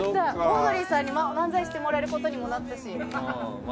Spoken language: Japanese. オードリーさんにも漫才してもらえることになったし。